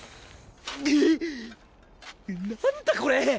なんだ⁉これ。